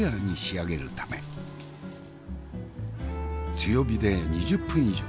強火で２０分以上。